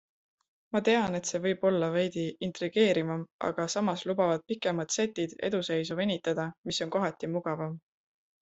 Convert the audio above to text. Ma tean, et see võib olla veidi intrigeerivam, aga samas lubavad pikemad setid eduseisu venitada, mis on kohati mugavam.